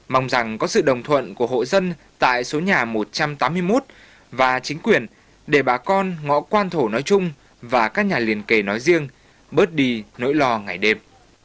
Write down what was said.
mong rằng có sự đồng thuận của hộ dân tại số nhà một trăm tám mươi một và chính quyền để bà con ngõ quan thổ nói chung và các nhà liên kề nói riêng bớt đi nỗi lo ngày đêm